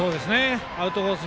アウトコース